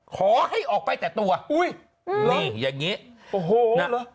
ขอให้ออกไปแต่ตัวนี่อย่างนี้